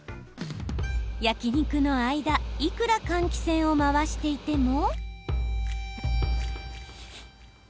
焼き肉の間いくら換気扇を回していても。